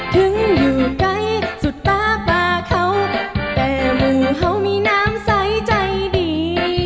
ถึงอยู่ไกลสุดตาปลาเขาแต่มือเขามีน้ำใสใจดี